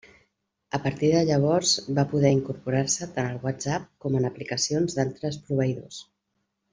A partir de llavors va poder incorporar-se tant al WhatsApp com en aplicacions d'altres proveïdors.